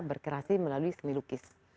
berkreasi melalui seni lukis